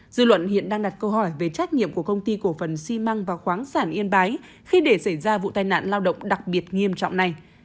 dư luận hiện đang đặt câu hỏi về trách nhiệm của công ty cổ phần xi măng và khoáng sản yên bái khi để xảy ra vụ tai nạn lao động đặc biệt nghiêm trọng này